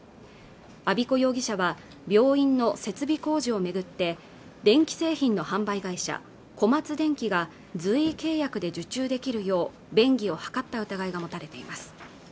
安彦容疑者は病院の設備工事を巡って電気製品の販売会社小松電器が随意契約で受注できるよう便宜を図った疑いが持たれています